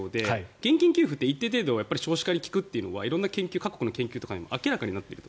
現金給付って一定程度少子化に効くというのは色んな各国の研究でも明らかになっていると。